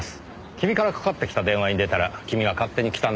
君からかかってきた電話に出たら君が勝手に来たんですよ。